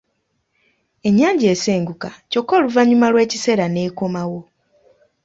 Ennyanja esenguka kyokka oluvannyuma lw’ekiseera n’ekomawo.